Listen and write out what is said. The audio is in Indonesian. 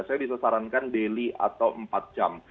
saya disarankan daily atau empat jam